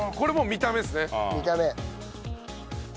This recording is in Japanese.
見た目。